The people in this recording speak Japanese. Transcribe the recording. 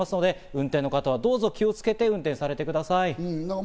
運転する方はどうぞ気をつけて運転してください。